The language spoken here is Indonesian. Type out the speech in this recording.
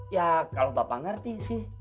ya kalau bapak ngerti sih